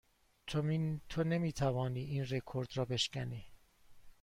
تو نمی توانی این رکورد را بشکنی.